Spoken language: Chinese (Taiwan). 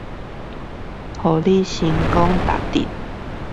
讓你成功達陣